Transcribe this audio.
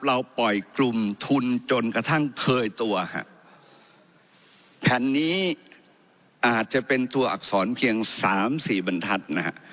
เราปล่อยกลุ่มทุนจนกระทั่งเคยตัวฮะแผ่นนี้อาจจะเป็นตัวอักษรเพียงสามสี่บรรทัศน์นะฮะ